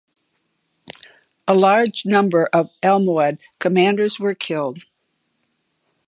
A large number of Almohad commanders were killed.